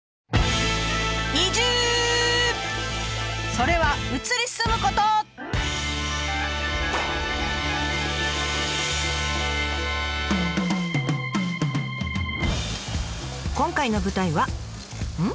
それは今回の舞台はうん？